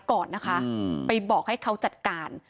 ก่อนนะคะไปบอกให้เขาจัดการ